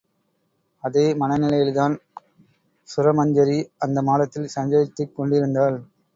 அதே மனநிலையில்தான் சுரமஞ்சரி அந்த மாடத்தில் சஞ்சரித்துக் கொண்டிருந்தாள்.